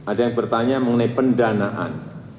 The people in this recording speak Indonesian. ada yang bertanya mengenai pendanaan